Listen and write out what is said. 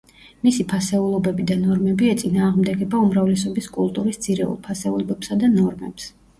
მისი ფასეულობები და ნორმები ეწინააღმდეგება უმრავლესობის კულტურის ძირეულ ფასეულობებსა და ნორმებს.